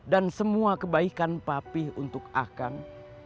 dan semua kebaikan papih untuk akang